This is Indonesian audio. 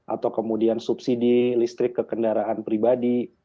atau kemudian subsidi listrik ke kendaraan pribadi